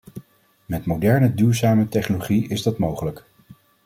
Met moderne duurzame technologie is dat mogelijk.